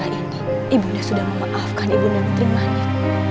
aku sudah memaafkan ibu nera ketrimanik